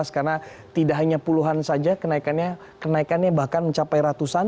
karena tidak hanya puluhan saja kenaikannya bahkan mencapai ratusan